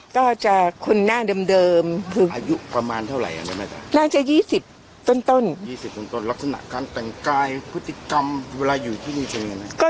ต้นรักษณะการแต่งกายพฤติกรรมเวลาอยู่ที่นี่สังเงินก็